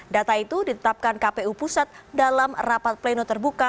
data itu ditetapkan kpu pusat dalam rapat pleno terbuka